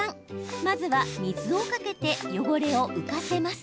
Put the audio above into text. まずは水をかけて汚れを浮かせます。